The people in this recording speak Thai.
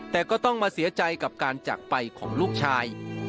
แต่ก็ต้องมาเสียใจกับการจากไปของลูกชาย